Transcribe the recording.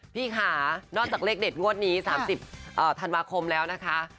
พี่ค่ะนอกจากเลขเด็ดงวดนี้๓๐ธันวาคมแล้วนะคะ